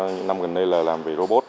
những năm gần đây là làm về robot